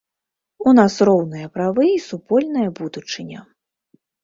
У нас роўныя правы і супольная будучыня.